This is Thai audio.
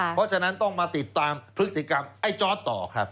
เพราะฉะนั้นต้องมาติดตามพฤติกรรมไอ้จอร์ดต่อครับ